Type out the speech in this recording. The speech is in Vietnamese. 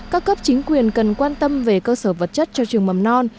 các cấp chính quyền cần quan tâm về cơ sở vật chất cho trường mầm non